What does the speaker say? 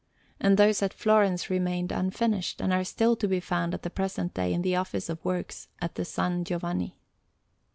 And those at Florence remained unfinished, and are still to be found at the present day in the Office of Works of the said S. Giovanni.